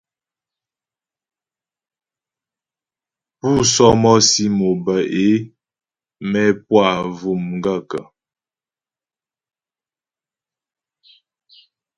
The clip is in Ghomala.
Pú sɔ́mɔ́sì mo bə é mɛ́ pú a bvʉ̀' m gaə̂kə́ ?